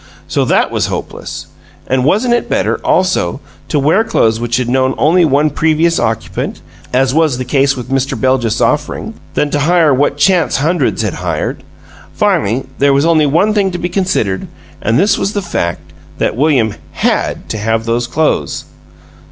So that was hopeless. And wasn't it better, also, to wear clothes which had known only one previous occupant (as was the case with Mr. Beljus's offering) than to hire what chance hundreds had hired? Finally, there was only one thing to be considered and this was the fact that William HAD to have those clothes!